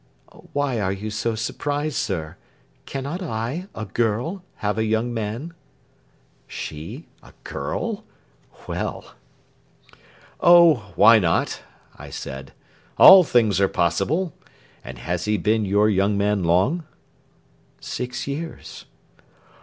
"Why are you so surprised, sir? Cannot I, a girl, have a young man?" She? A girl? Well! "Oh, why not?" I said. "All things are possible. And has he been your young man long?" "Six years."